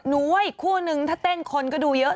ว่าอีกคู่นึงถ้าเต้นคนก็ดูเยอะ